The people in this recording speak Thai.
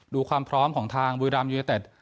ดูความพร้อมของทางบุรีรามยูเนเต็ด